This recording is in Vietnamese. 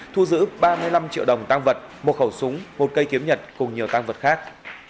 thu giữ ba mươi năm triệu đồng tăng vật một khẩu súng một cây kiếm nhật cùng nhiều tăng vật khác